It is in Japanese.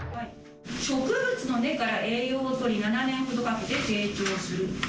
植物の根から栄養をとり、７年ほどかけて成長する。